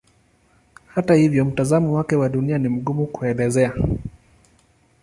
Hata hivyo mtazamo wake wa Dunia ni mgumu kuelezea.